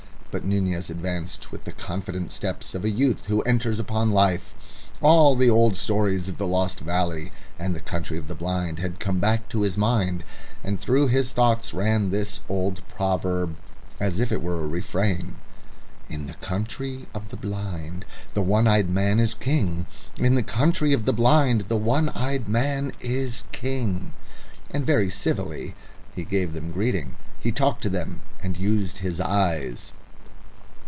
But Nunez advanced with the confident steps of a youth who enters upon life. All the old stories of the lost valley and the Country of the Blind had come back to his mind, and through his thoughts ran this old proverb, as if it were a refrain "In the Country of the Blind the One eyed Man is King." "In the Country of the Blind the One eyed Man is King." And very civilly he gave them greeting. He talked to them and used his eyes.